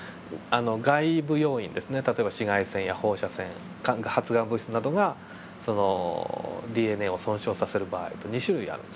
例えば紫外線や放射線発がん物質などがそのＤＮＡを損傷させる場合と２種類あるんですね。